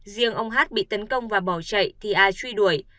riêng ông h bị tấn công và bỏ chạy thì a truy đuổi